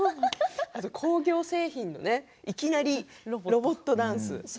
工業製品のいきなりロボットダンス。